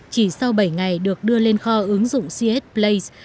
chỉ sau bảy ngày được đưa lên kho ứng dụng cs play